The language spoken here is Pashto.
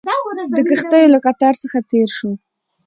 د کښتیو له قطار څخه تېر شوو.